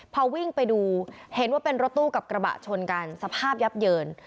พอวิ่งไปดูเห็นว่าเป็นรถตู้กับกระบะชนกันสภาพยับเยิน